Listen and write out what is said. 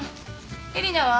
えりなは？